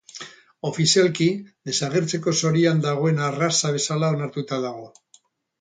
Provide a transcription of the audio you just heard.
Ofizialki desagertzeko zorian dagoen arraza bezala onartuta dago.